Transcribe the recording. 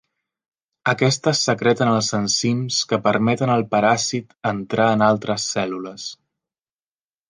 Aquestes secreten els enzims que permeten al paràsit entrar en altres cèl·lules.